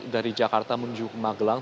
dari jakarta menuju magelang